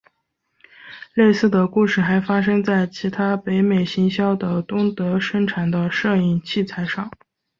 类似的故事还发生在其他北美行销的东德生产的摄影器材上。